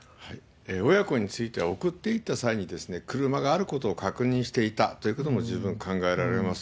親子については、送っていった際にですね、車があることを確認していたということも十分考えられます。